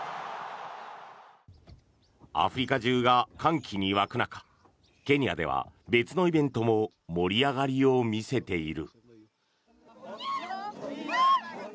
アフリカ中が歓喜に沸く中ケニアでは別のイベントも盛り上がりを見せている。